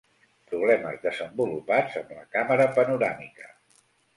Problemes desenvolupats amb la càmera panoràmica.